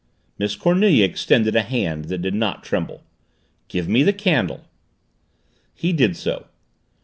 Miss Cornelia extended a hand that did not tremble. "Give me the candle." He did so.